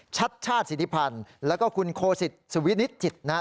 ชัดชาติสิทธิพันธ์แล้วก็คุณโคสิตสุวินิจิตนะฮะ